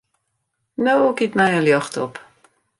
No giet my in ljocht op.